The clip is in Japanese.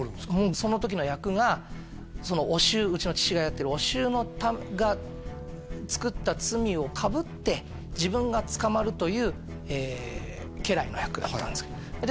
その時の役がおしゅううちの父がやってるおしゅうがつくった罪をかぶって自分が捕まるという家来の役だったんですで